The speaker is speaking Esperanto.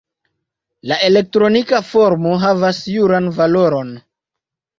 La elektronika formo havas juran valoron.